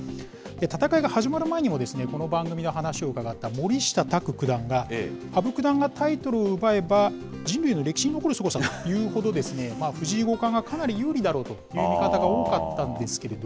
戦いが始まる前にも、この番組でも話を伺った森下卓九段が、羽生九段がタイトルを奪えば、人類の歴史に残るほどのすごさだということで、藤井五冠がかなり有利だろうという見方が多かったんです。